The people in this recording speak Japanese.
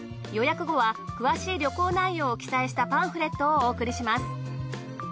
予約後は詳しい旅行内容を記載したパンフレットをお送りします。